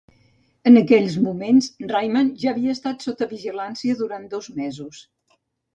En aquells moments, Rayman ja havia estat sota vigilància durant dos mesos.